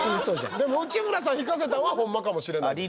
でも内村さん引かせたんはホンマかもしれないです。